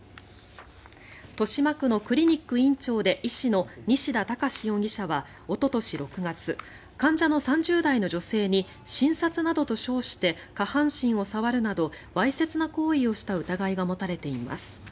豊島区のクリニック院長で医師の西田隆容疑者はおととし６月患者の３０代の女性に診察などと称して下半身を触るなどわいせつな行為をした疑いが持たれています。